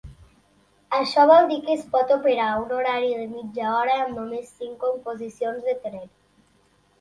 Això vol dir que es pot operar un horari de mitja hora amb només cinc composicions de tren.